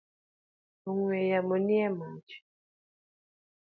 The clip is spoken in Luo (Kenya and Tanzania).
Ong’we yamo ni e mach.